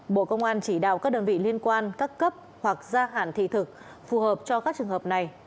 bộ công an chỉ đạo các đơn vị liên quan các cấp hoặc gia hạn thị thực phù hợp cho các trường hợp này